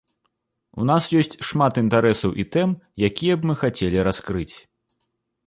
У нас ёсць шмат інтарэсаў і тэм, якія б мы хацелі раскрыць.